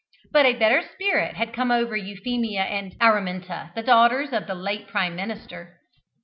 But a better spirit had come over Euphemia and Araminta, the daughters of the late Prime Minister.